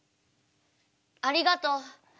ありがとう。